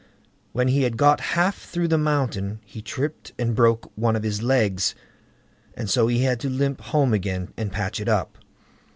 When he had got half through the mountain, he tripped and broke one of his legs, and so he had to limp home again and patch it up.